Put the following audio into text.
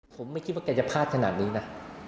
ผมไม่คิดว่าแกจะพลาดขนาดนี้นะ